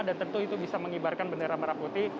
dan tentu itu bisa mengibarkan bendera merah putih